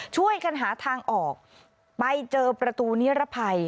ช่วยกันหาทางออกไปเจอประตูนิรภัย